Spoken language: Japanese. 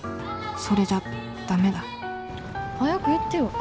それじゃダメだ早く言ってよ。